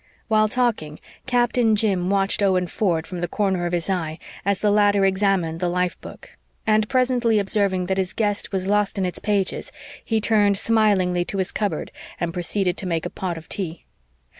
While talking, Captain Jim watched Owen Ford from the corner of his eye as the latter examined the life book; and presently observing that his guest was lost in its pages, he turned smilingly to his cupboard and proceeded to make a pot of tea.